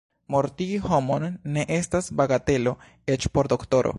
Mortigi homon ne estas bagatelo, eĉ por doktoro.